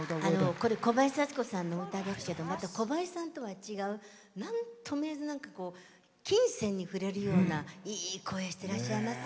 これ、小林幸子さんの歌ですけど小林さんとは違う、なんとも琴線に触れるようないい声をしてらっしゃいますね。